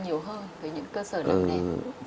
nhiều hơn với những cơ sở làm đẹp